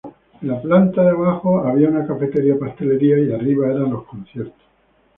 En la planta de abajo había una cafetería-pastelería y arriba eran los conciertos.